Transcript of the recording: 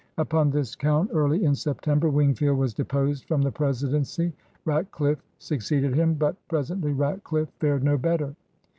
Upon this coimt, early in September, Wingfield was deposed from the presidency. Ratdiffe succeeded him, but presently Ratdiffe fared no better.